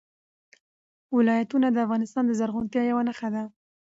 ولایتونه د افغانستان د زرغونتیا یوه نښه ده.